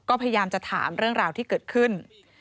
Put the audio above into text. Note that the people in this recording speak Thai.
ก็พยายามจะถามเรื่องราวที่เกิดขึ้น